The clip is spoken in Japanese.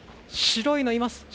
白いのいます。